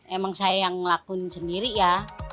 emang saya yang ngelakuin sendiri ya